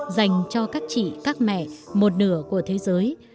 dành cho các chị các mẹ một nửa của thế giới